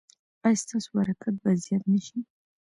ایا ستاسو برکت به زیات نه شي؟